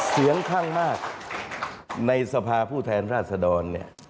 เสียงข้างมากในสภาผู้แทนราชดรเนี่ย